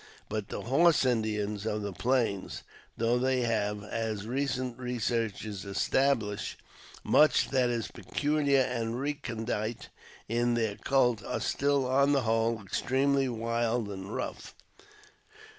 But the *' horse Indians " of the Plains, though they have, as recent researches establish, much that is peculiar and recondite in their cult, are still, on the whole, extremely wild and rough.